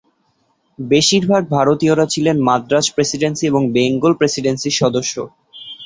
বেশিরভাগ ভারতীয়রা ছিলেন মাদ্রাজ প্রেসিডেন্সি এবং বেঙ্গল প্রেসিডেন্সির সদস্য।